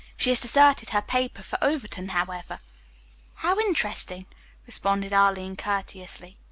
She has deserted her paper for Overton, however." "How interesting," responded Arline courteously.